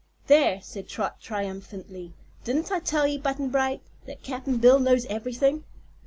"There!" said Trot, triumphantly, "didn't I tell you, Button Bright, that Cap'n Bill knows ever'thing?"